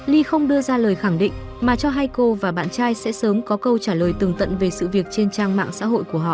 ly không đưa ra lời khẳng định mà cho hai cô và bạn trai sẽ sớm có câu trả lời tưởng tận về sự việc trên trang mạng xã hội của họ